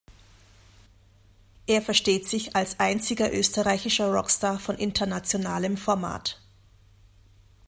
Er versteht sich „als einziger österreichischer Rockstar von internationalem Format“.